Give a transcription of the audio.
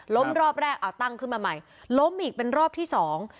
รอบแรกเอาตั้งขึ้นมาใหม่ล้มอีกเป็นรอบที่สอง